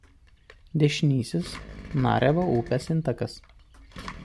Dešinysis Narevo upės intakas.